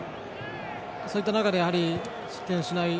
そういった中で失点しない